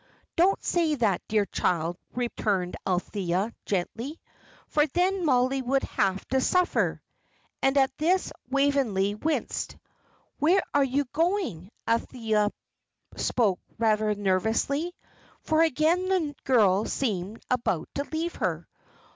"Do not say that, dear child," returned Althea, gently; "for then Mollie would have to suffer." And at this Waveney winced. "Where are you going?" Althea spoke rather nervously, for again the girl seemed about to leave her.